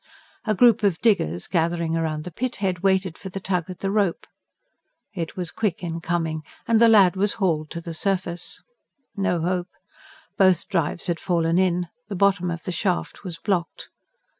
A group of diggers, gathering round the pit head, waited for the tug at the rope. It was quick in coming; and the lad was hauled to the surface. No hope: both drives had fallen in; the bottom of the shaft was blocked.